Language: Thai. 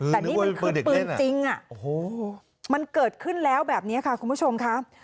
แต่นี่มันคือปืนจริงมันเกิดขึ้นแล้วแบบนี้ค่ะคุณผู้ชมค่ะ